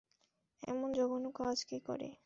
এমন জঘন্য কাজ কে করে?